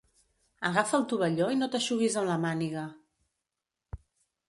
Agafa el tovalló i no t'eixuguis amb la màniga.